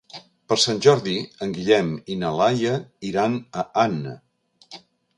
Per Sant Jordi en Guillem i na Laia iran a Anna.